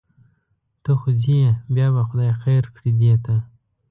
ته خو ځې بیا به خدای خیر کړي دې ته.